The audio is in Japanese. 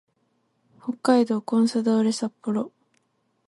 北海道コンサドーレ札幌